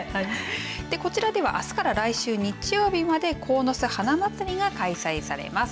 こちらではあすから来週日曜日までこうのす花まつりが開催されます。